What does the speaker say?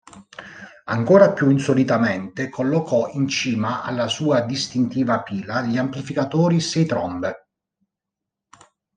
Ancora più insolitamente, collocò in cima alla sua distintiva pila di amplificatori sei trombe.